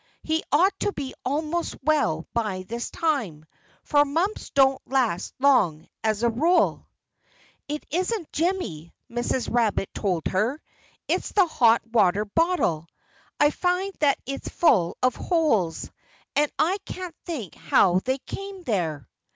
He ought to be almost well by this time; for mumps don't last long, as a rule." "It isn't Jimmy," Mrs. Rabbit told her. "It's the hot water bottle! I find that it's full of holes; and I can't think how they came there."